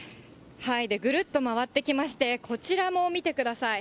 ぐるっと回ってきまして、こちらも見てください。